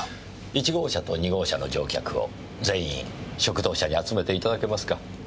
１号車と２号車の乗客を全員食堂車に集めて頂けますか。